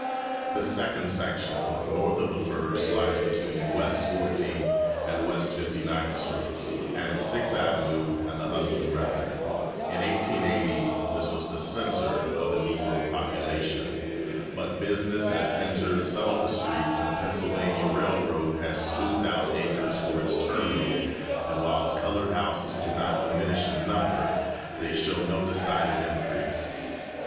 The second section, north of the first, lies between West Fourteenth and West Fifty ninth Streets, and Sixth Avenue and the Hudson River. In 1880 this was the centre of the Negro population, but business has entered some of the streets, the Pennsylvania Railroad has scooped out acres for its terminal, and while the colored houses do not diminish in number, they show no decided increase.